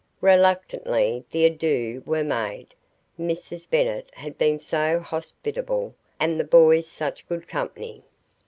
Reluctantly the adieux were made Mrs. Bennet had been so hospitable, and the boys such good company.